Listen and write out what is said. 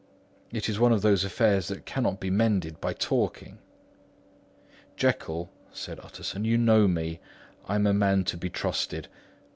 It is one of those affairs that cannot be mended by talking." "Jekyll," said Utterson, "you know me: I am a man to be trusted.